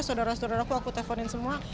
saudara saudaraku aku teleponin semua